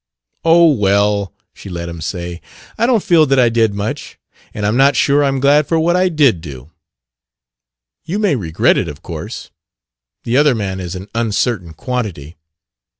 "Oh, well," she let him say, "I don't feel that I did much; and I'm not sure I'm glad for what I did do." "You may regret it, of course. That other man is an uncertain quantity."